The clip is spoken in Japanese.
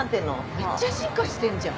めっちゃ進化してんじゃん。